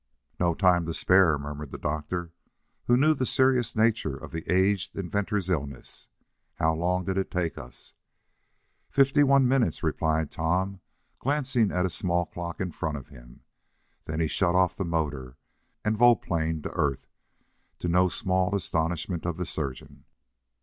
"No time to spare," murmured the doctor, who knew the serious nature of the aged inventor's illness. "How long did it take us?" "Fifty one minutes," replied Tom, glancing at a small clock in front of him. Then he shut off the motor and volplaned to earth, to the no small astonishment of the surgeon.